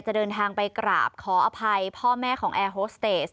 เดินทางไปกราบขออภัยพ่อแม่ของแอร์โฮสเตส